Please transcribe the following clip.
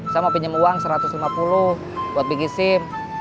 saya mau pinjam uang satu ratus lima puluh buat bikin sim